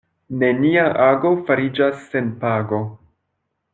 Nenia ago fariĝas sen pago.